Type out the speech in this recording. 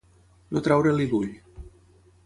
No treure-li l'ull.